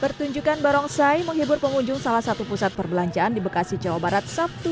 pertunjukan barongsai menghibur pengunjung salah satu pusat perbelanjaan di bekasi jawa barat sabtu